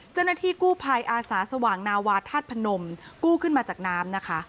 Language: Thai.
เจ้าหน้าที่กู้ภัยอาสาสว่างนาวาธาตุพนมกู้ขึ้นมาจากน้ำนะคะ